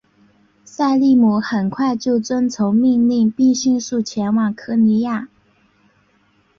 塞利姆很快就遵从命令并迅速前往科尼亚。